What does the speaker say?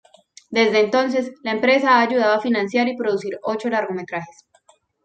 Desde entonces, la empresa ha ayudado a financiar y producir ocho largometrajes.